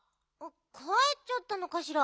かえっちゃったのかしら。